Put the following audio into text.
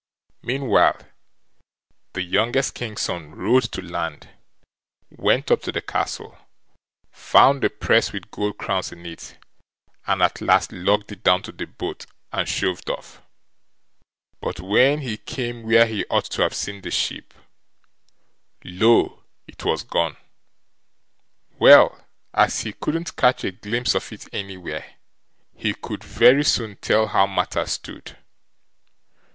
Meanwhile the youngest King's son rowed to land, went up to the castle, found the press with gold crowns in it, and at last lugged it down to the boat, and shoved off; but when he came where he ought to have seen the ship, lo! it was gone. Well, as he couldn't catch a glimpse of it anywhere, he could very soon tell how matters stood.